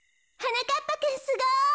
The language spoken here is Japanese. なかっぱくんすごい。